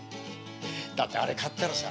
だってあれ買ったらさ